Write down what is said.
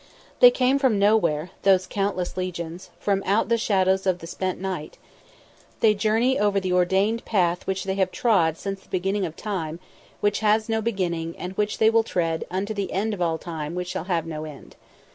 They come from nowhere, those countless legions, from out the shadows of the spent night; they journey over the ordained path which they have trod since the beginning of time, which has no beginning, and which they will tread unto the end of all time which shall have no end.